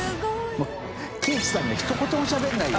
發貴一さんがひと言もしゃべらないよ。